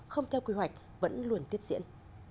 không theo quy hoạch vẫn luôn tiếp diễn